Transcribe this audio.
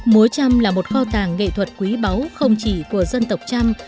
múa chăm là một kho tàng nghệ thuật quý báu không chỉ của dân tộc chăm